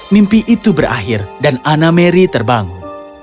mimpi itu berakhir dan anam mary terbangun